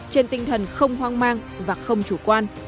trên tinh thần không hoang mang và không chủ quan